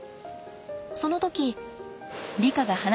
その時。